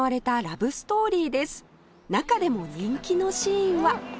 中でも人気のシーンは